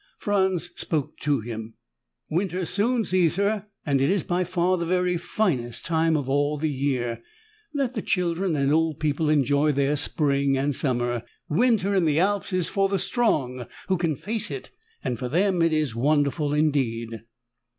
Franz spoke to him. "Winter soon, Caesar, and it is by far the very finest time of all the year. Let the children and old people enjoy their spring and summer. Winter in the Alps is for the strong who can face it, and for them it is wonderful indeed."